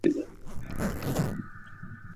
জাকারিয়া বসলেন না দাঁড়িয়ে রইলেন।